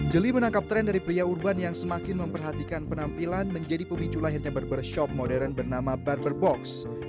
jeli menangkap tren dari pria urban yang semakin memperhatikan penampilan menjadi pemicu lahirnya barbershop modern bernama barber box